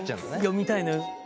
読みたいのよ。